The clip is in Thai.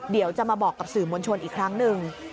เดี๋ยวจะมาบอกกับสื่อมวลชนอีกครั้งหนึ่ง